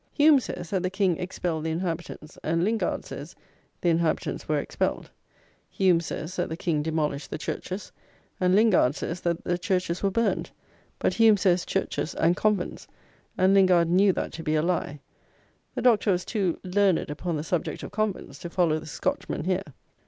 Hume says, that the King "expelled the inhabitants;" and Lingard says "the inhabitants were expelled;" Hume says that the King "demolished the churches;" and Lingard says that "the churches were burnt;" but Hume says, churches "and convents," and Lingard knew that to be a lie. The Doctor was too learned upon the subject of "convents" to follow the Scotchman here.